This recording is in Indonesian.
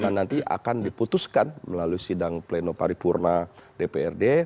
nanti akan diputuskan melalui sidang pleno paripurna dprd